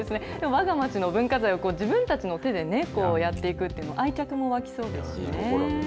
わが町の文化財を自分たちの手でね、やっていくっていうのは、愛着も湧きそうですしね。